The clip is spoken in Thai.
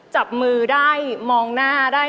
จับมือได้มองหน้าได้